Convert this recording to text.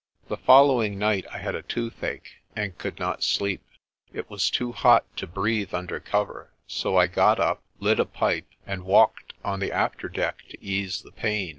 The following night I had a toothache, and could not sleep. It was too hot to breathe under cover, so I got up, lit a pipe, and walked on the after deck to ease the pain.